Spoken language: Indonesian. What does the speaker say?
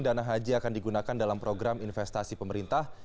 dana haji akan digunakan dalam program investasi pemerintah